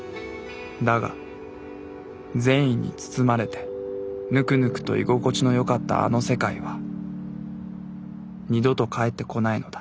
だが善意に包まれてぬくぬくと居心地のよかったあの世界は二度と帰ってこないのだ